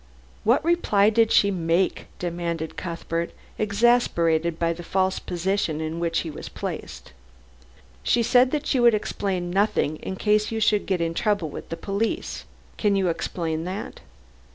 "What reply did she make?" demanded Cuthbert, exasperated by the false position he was placed in. "She said that she would explain nothing in case you should get into trouble with the police. Can you explain that?"